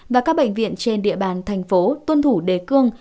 và các bệnh viện trên địa bàn thành phố tuân thủ đề cương